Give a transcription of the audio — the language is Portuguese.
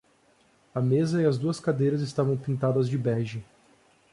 A mesa e as duas cadeiras estavam pintadas de bege.